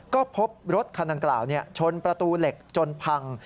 ก็พบรถคันดังกล่าวชนประตูเหล็กจนพัง